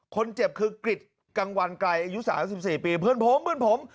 คนเจ็บคือกฤทธิ์กังวัลไกรอายุสามสิบสี่ปีเพื่อนผมเพื่อนผม